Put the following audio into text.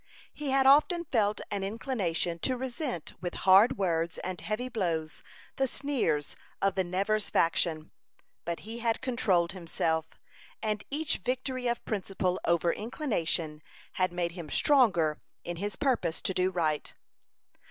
He had often felt an inclination to resent with hard words and heavy blows the sneers of the Nevers faction, but he had controlled himself; and each victory of principle over inclination had made him stronger in his purpose to do right.